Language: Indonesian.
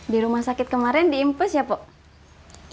di rumah sakit kemarin diimpus ya poh